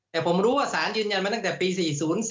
แต่ผมรู้ว่าสารยืนยันมาตั้งแต่ปี๔๐๔